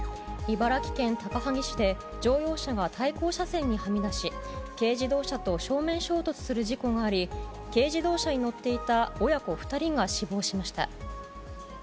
茨城県高萩市で、乗用車が対向車線にはみ出し、軽自動車と正面衝突する事故があり、軽自動車に乗っていた親子２人が死亡しました。